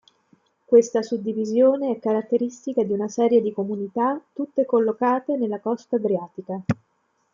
Questa suddivisione è caratteristica di una serie di comunità tutte collocate nella costa adriatica.